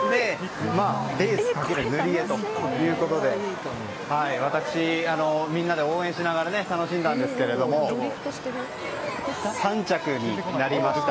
レース×塗り絵ということで私、みんなで応援しながら楽しんだんですが３着になりました。